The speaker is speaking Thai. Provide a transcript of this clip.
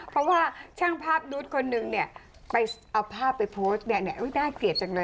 เพราะว่าช่างภาพนุษย์คนนึงเนี่ยไปเอาภาพไปโพสต์เนี่ยน่าเกลียดจังเลย